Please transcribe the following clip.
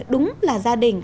đúng là gia đình